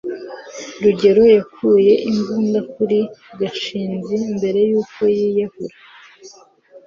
rugeyo yakuye imbunda kuri gashinzi mbere yuko yiyahura